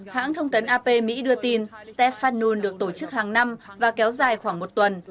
hãng thông tấn ap mỹ đưa tin stephn được tổ chức hàng năm và kéo dài khoảng một tuần